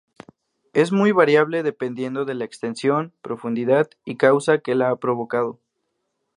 Es muy variable dependiendo de la extensión, profundidad y causa que la ha provocado.